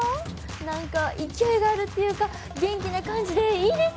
何か勢いがあるっていうか元気な感じでいいですよね。